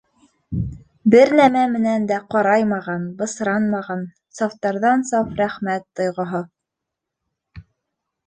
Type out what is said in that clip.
Бер нәмә менән дә ҡараймаған, бысранмаған, сафтарҙан-саф рәхмәт тойғоһо.